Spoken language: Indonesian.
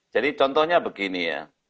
jadi contohnya begini ya